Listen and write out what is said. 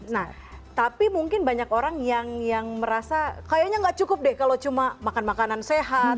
nah tapi mungkin banyak orang yang merasa kayaknya nggak cukup deh kalau cuma makan makanan sehat